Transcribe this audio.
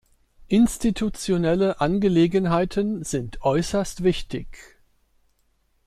Institutionelle Angelegenheiten sind äußerst wichtig.